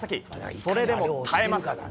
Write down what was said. それでも耐えます。